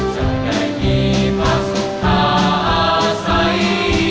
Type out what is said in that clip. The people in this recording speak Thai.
จะได้มีภาพสุทธาอาศัย